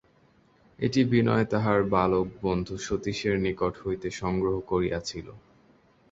এটি বিনয় তাহার বালক বন্ধু সতীশের নিকট হইতে সংগ্রহ করিয়াছিল।